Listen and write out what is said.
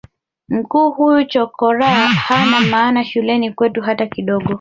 mkuu huyu chokoraa hana maana shuleni kwetu hata kidogo